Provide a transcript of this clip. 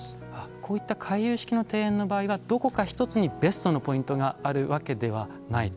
こういった回遊式の庭園の場合はどこか１つにベストなポイントがあるわけではないと。